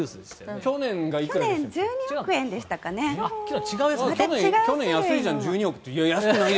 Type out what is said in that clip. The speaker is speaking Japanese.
去年がいくらでしたっけ？